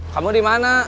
kamu di mana